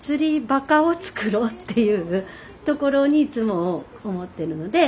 バカをつくろうっていうところにいつも思ってるので。